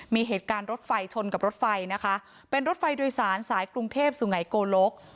มีเหตุการณ์รถไฟชนกับรถไฟนะคะเป็นรถไฟโดยสารสายกรุงเทพสุไงโกลก